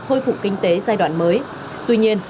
khôi phục kinh tế giai đoạn mới tuy nhiên